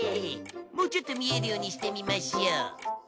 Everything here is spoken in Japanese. もうちょっと見えるようにしてみましょう。